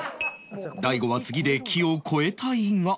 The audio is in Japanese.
大悟は次で木を越えたいが